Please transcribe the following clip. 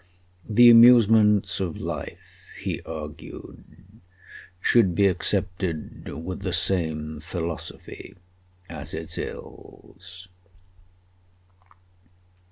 The amusements of life, he argued, should be accepted with the same philosophy as its ills.